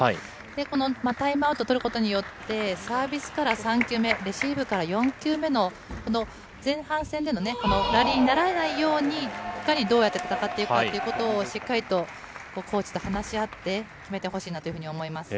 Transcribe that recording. このタイムアウトを取ることによって、サービスから３球目、レシーブから４球目の、前半戦でのラリーにならないように、いかにどうやって戦っていくかということを、しっかりとコーチと話し合って、決めてほしいなというふうに思います。